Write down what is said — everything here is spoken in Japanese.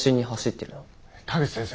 田口先生。